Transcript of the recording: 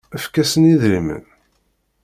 Efk-asen idrimen.